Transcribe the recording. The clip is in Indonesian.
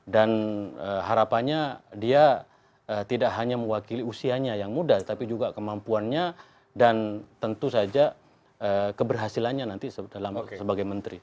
dan harapannya dia tidak hanya mewakili usianya yang muda tapi juga kemampuannya dan tentu saja keberhasilannya nanti sebagai menteri